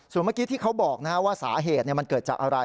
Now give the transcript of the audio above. ส่วนเมื่อกี้ที่เขาบอกว่าสาเหตุมันเกิดจากอะไร